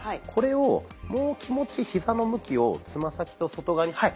これをもう気持ちヒザの向きをつま先と外側に。